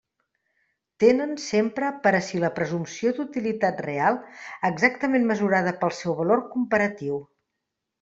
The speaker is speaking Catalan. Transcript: Tenen sempre per a si la presumpció d'utilitat real, exactament mesurada pel seu valor comparatiu.